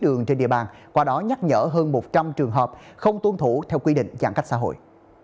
đường trên địa bàn qua đó nhắc nhở hơn một trăm linh trường hợp không tuân thủ theo quy định giãn cách xã hội